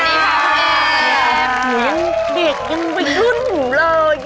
เหมือนยังเด็กอื่นบุญรุ่นเลย